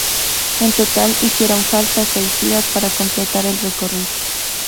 En total hicieron falta seis días para completar el recorrido.